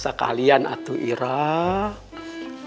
sekalian atuh irah